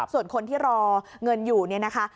ส่วนคนที่รอเงินอยู่เนี่ยนะคะ